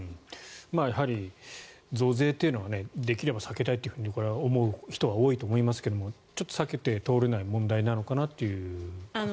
やはり増税というのはできれば避けたいとこれは思う人は多いと思いますがちょっと避けて通れない問題なのかなと思いますね。